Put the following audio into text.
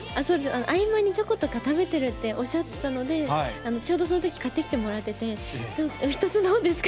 合間にチョコレートとか食べてるとかっておっしゃってたんで、ちょうどそのとき買ってきてもらってて、お一つどうですか？